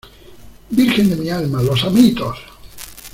¡ virgen de mi alma! ¡ los amitos !